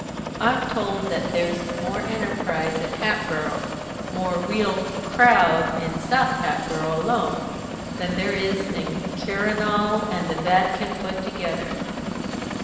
I'm told that there's more enterprise in Hatboro', more real crowd in South Hatboro' alone, than there is in the Quirinal and the Vatican put together."